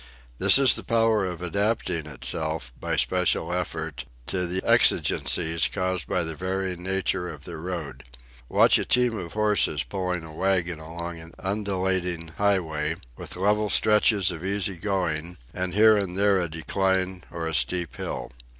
This is its power of adapting itself, by special effort, to the exigencies caused by the varying nature of the road. Watch a team of horses pulling a waggon along an undulating highway, with level stretches of easy going and here and there a decline or a steep hill.